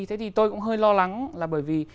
thế thì tôi cũng hơi lo lắng là bởi vì